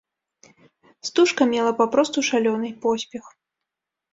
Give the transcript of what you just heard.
Стужка мела папросту шалёны поспех.